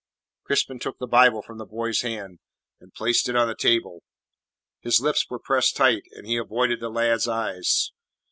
Crispin took the Bible from the boy's hands, and replaced it on the table. His lips were pressed tight, and he avoided the lad's eyes.